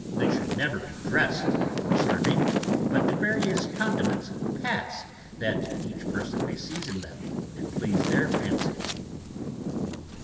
They should never be dressed before serving, but the various condiments passed that each person may season them to please their fancy.